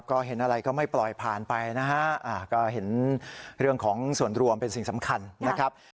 ก็เห็นอะไรก็ไม่ปล่อยผ่านไปนะฮะก็เห็นเรื่องของส่วนรวมเป็นสิ่งสำคัญนะครับ